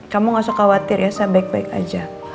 kamu gak usah khawatir ya saya baik baik aja